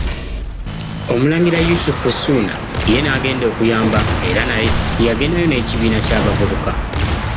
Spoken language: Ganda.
Omulangira Yusufu Ssuuna ye n'agenda okuyamba era naye yagendayo n'ekibiina ky'abavubuka.